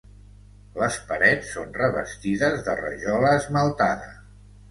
Les parets són revestides de rajola esmaltada.